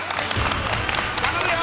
頼むよ！